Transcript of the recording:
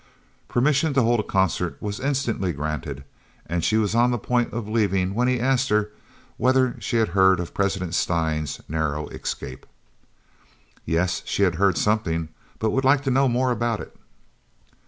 Permission to hold a concert was instantly granted, and she was on the point of leaving, when he asked her whether she had heard of President Steyn's narrow escape. Yes, she had heard something, but would like to know more about it.